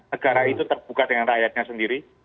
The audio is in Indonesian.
negara itu terbuka dengan rakyatnya sendiri